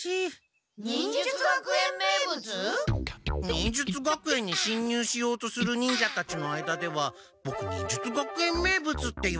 忍術学園にしんにゅうしようとする忍者たちの間ではボク忍術学園名物って言われてるんだって。